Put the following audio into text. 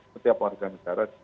setiap warga negara